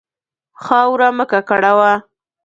خاوره مه ککړوه.